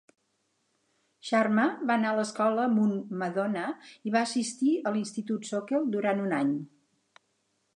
Sharma va anar a l'escola Mount Madonna i va assistir a l'institut Soquel durant un any.